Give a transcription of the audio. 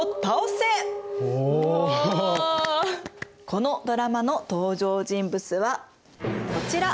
このドラマの登場人物はこちら。